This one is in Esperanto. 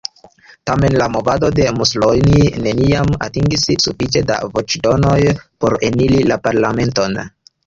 Tamen, la movado de Mussolini neniam atingis sufiĉe da voĉdonoj por eniri la parlamenton.